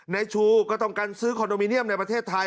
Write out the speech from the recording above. ในชูก็ต้องการซื้อคอนโดมิเนียมในประเทศไทย